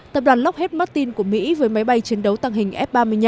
tập đoàn lockheed martin của mỹ với máy bay chiến đấu tăng hình f ba mươi năm